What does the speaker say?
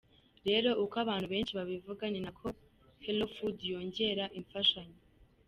Rero uko abantu benshi babivuga ni nako hellofood yongera imfashanyo.